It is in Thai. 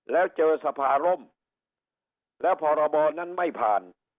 แล้วเจอสภาร่มแล้วพรบนั้นไม่ผ่าน